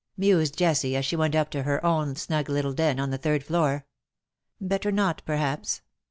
mused Jessie, as she went up to her own snug little den on the third floor. "Better not, perhaps.